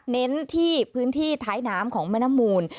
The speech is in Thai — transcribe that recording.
เน้นที่พื้นที่ท้ายน้ำของแม่น้ำมูล